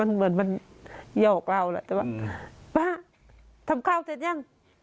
มันเหมือนมันหยอกเราแหละแต่ว่าป้าทำข้าวเสร็จยัง